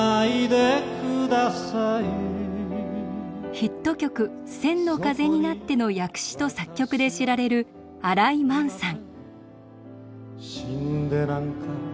ヒット曲「千の風になって」の訳詞と作曲で知られる新井満さん。